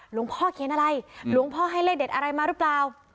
หลวงพ่อเขียนอะไรหลวงพ่อให้เลขเด็ดอะไรมาหรือเปล่า